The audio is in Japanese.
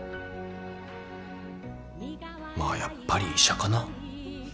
まあやっぱり医者かな。